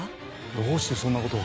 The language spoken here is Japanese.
どうしてそんなことを？